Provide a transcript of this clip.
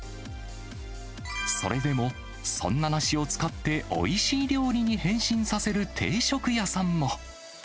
それでも、そんな梨を使って、おいしい料理に変身させる定食屋さんも。